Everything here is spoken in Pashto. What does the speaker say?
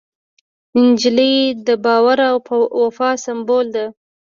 نجلۍ د باور او وفا سمبول ده.